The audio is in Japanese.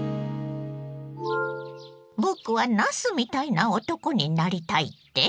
僕は「なすみたいな男」になりたいって？